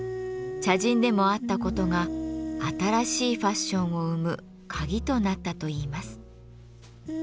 茶人でもあった事が新しいファッションを生む鍵となったといいます。